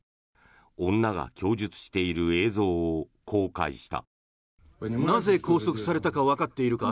女が供述している映像を公開した。